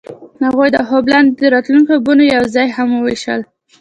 هغوی د خوب لاندې د راتلونکي خوبونه یوځای هم وویشل.